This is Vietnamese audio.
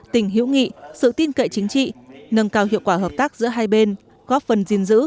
tình hữu nghị sự tin cậy chính trị nâng cao hiệu quả hợp tác giữa hai bên góp phần gìn giữ